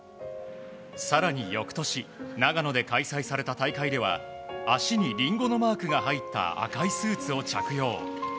更に、翌年長野で開催された大会では足にリンゴのマークが入った赤いスーツを着用。